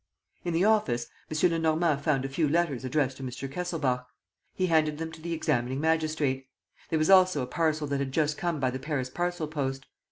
In the office, M. Lenormand found a few letters addressed to Mr. Kesselbach. He handed them to the examining magistrate. There was also a parcel that had just come by the Paris parcel post.